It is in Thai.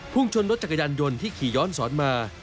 ชนรถจักรยานยนต์ที่ขี่ย้อนสอนมา